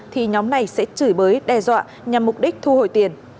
thì nhóm này sẽ chửi bới đe dọa nhằm mục đích thu hồi tiền